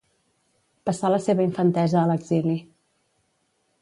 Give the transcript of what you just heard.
Passà la seva infantesa a l'exili.